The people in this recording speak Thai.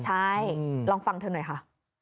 ใช่ลองฟังเธอหน่อยค่ะ